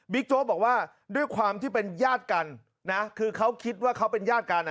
โจ๊กบอกว่าด้วยความที่เป็นญาติกันนะคือเขาคิดว่าเขาเป็นญาติกัน